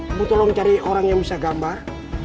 ibu tolong cari orang yang bisa gambar